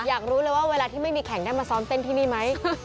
อยากรู้เลยว่าเวลาที่ไม่มีแข่งได้มาซ้อมเต้นที่นี่ไหม